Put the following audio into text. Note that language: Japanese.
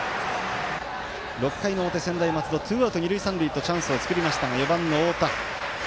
６回の表、専大松戸ツーアウト、二塁三塁とチャンスを作りましたが４番の太田。